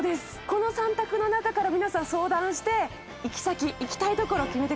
この３択の中から皆さん相談して行き先行きたい所を決めてください。